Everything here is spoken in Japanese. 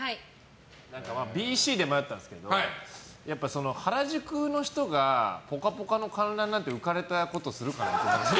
Ｂ、Ｃで迷ったんですけど原宿の人が「ぽかぽか」の観覧なんて浮かれたことするかなって。